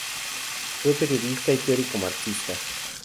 Fue periodista y teórico marxista.